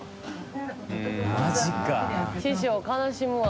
泪犬師匠悲しむわ。